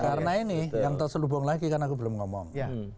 karena ini yang tak selubung lagi karena aku belum ngomong